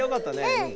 うん。